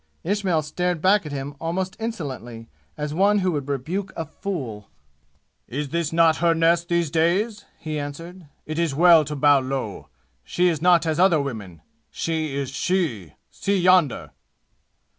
Ismail stared back at him almost insolently, as one who would rebuke a fool. "Is this not her nest these days?" he answered. "It is well to bow low. She is not as other women. She is she! See yonder!"